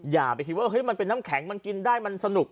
อย่าไปคิดว่ามันเป็นน้ำแข็งมันกินได้มันสนุก